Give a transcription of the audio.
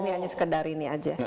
ini hanya sekedar ini aja